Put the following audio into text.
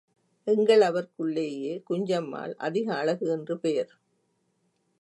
எங்களவர்களுக்குள்ளேயே குஞ்சம்மாள் அதிக அழகு என்று பெயர்.